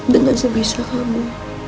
dengan sebesar kamu